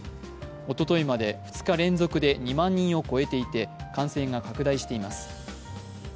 おとといまで２日連続で２万人を超えていて、感染が拡大しています。